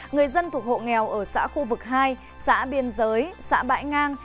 người dân thuộc hộ nghèo ở xã khu vực hai xã biên giới xã bãi ngang